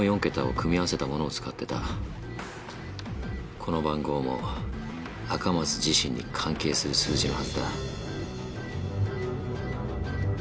この番号も赤松自身に関係する数字のはずだ。